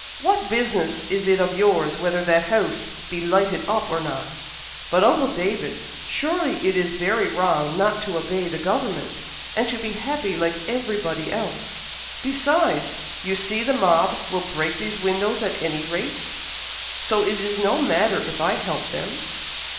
What business is it of yours whether that house be lighted up or not?" "But, uncle David! surely it is very wrong not to obey the government, and to be happy like everybody else! Besides, you see the mob will break those windows at any rate, so it is no matter if I help them."